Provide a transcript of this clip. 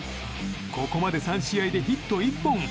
ここまで３試合でヒット１本。